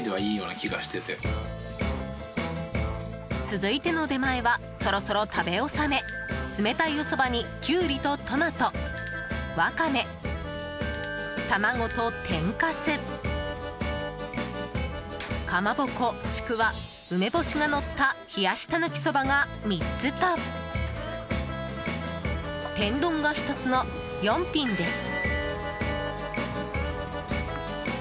続いての出前はそろそろ食べ納め冷たいおそばにきゅうりとトマトワカメ、卵と天かすかまぼこ、ちくわ梅干しがのった冷やしたぬきそばが３つと天丼が１つの４品です。